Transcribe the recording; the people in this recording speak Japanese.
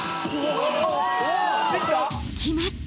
［決まった！］